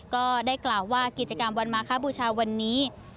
ก็ได้กล่าวว่ากิจกรรมวันมาคพุทธศาสตร์วันนี้